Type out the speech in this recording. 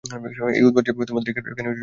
এটা উদ্ভট যে তোমাদের এখানে দাম দিয়ে কিনতে হয়।